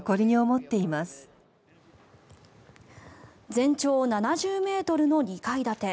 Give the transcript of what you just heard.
全長７０ｍの２階建て。